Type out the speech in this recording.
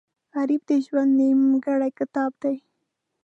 غریب د ژوند نیمګړی کتاب دی